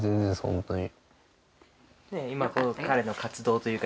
本当に。